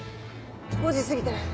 ５時過ぎてる。